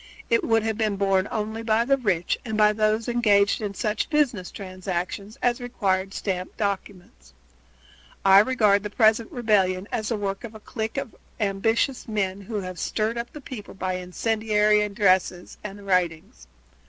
It would have been borne only by the rich and by those engaged in such business transactions as required stamped documents. I regard the present rebellion as the work of a clique of ambitious men who have stirred up the people by incendiary addresses and writings.